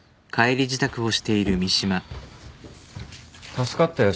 助かったよ